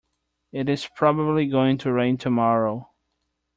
It is probably going to rain tomorrow.